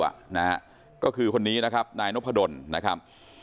นะฮะก็คือคนนี้นะครับนายนพดลนะครับ